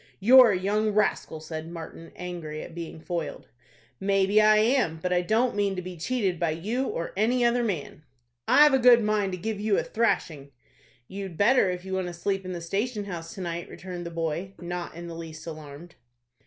"You're a young rascal," said Martin, angry at being foiled. "Maybe I am; but I don't mean to be cheated by you or any other man." "I've a good mind to give you a thrashing." "You'd better if you want to sleep in the station house to night," returned the boy, not in the least alarmed.